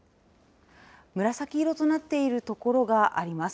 紫色となっている所があります。